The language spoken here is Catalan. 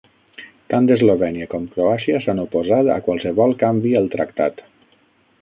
Tant Eslovènia com Croàcia s'han oposat a qualsevol canvi al tractat.